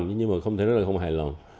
nhưng mà không thể nói là không hài lòng